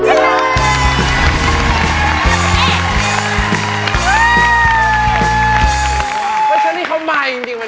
เชอร์รี่เขาใหม่จริงวันนี้